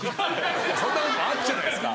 そんなこともあるじゃないですか。